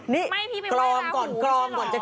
ไม่เฟ่มไปไหว้แล้วหบท่องไม่ใช้ล่ะ